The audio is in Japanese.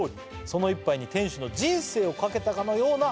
「その１杯に店主の人生をかけたかのような」